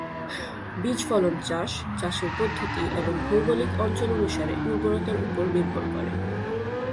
বীজ ফলন চাষ, চাষের পদ্ধতি এবং ভৌগোলিক অঞ্চল অনুসারে উর্বরতার উপর নির্ভর করে।